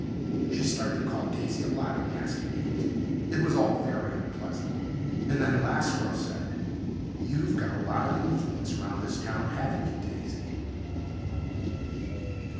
She started to call Daisy a lot of nasty names. It was all very unpleasant. And then Lasseroe said, "You've got a lot of influence around this town, haven't you, Daisy?"